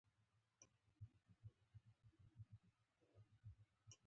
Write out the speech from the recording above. رینالډي: نو د مس بارکلي په موضوع کې پرمختګ شوی دی؟